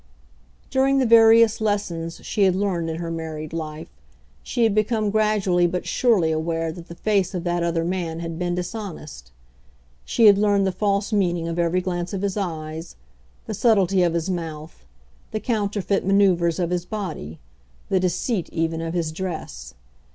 During the various lessons she had learned in her married life, she had become gradually but surely aware that the face of that other man had been dishonest. She had learned the false meaning of every glance of his eyes, the subtlety of his mouth, the counterfeit manoeuvres of his body, the deceit even of his dress.